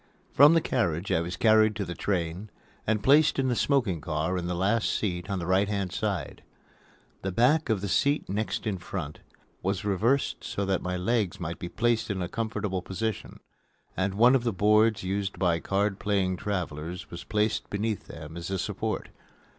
From the carriage I was carried to the train and placed in the smoking car in the last seat on the right hand side. The back of the seat next in front was reversed so that my legs might be placed in a comfortable position, and one of the boards used by card playing travelers was placed beneath them as a support.